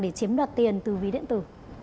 để chiếm đoạt tiền từ ví điện tử